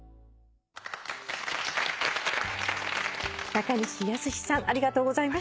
中西保志さんありがとうございました。